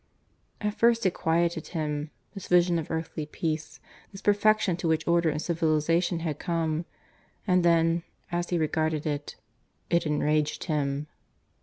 At first it quieted him this vision of earthly peace, this perfection to which order and civilization had come; and then, as he regarded it, it enraged him.